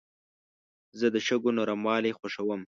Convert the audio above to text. زه د شګو نرموالي خوښوم.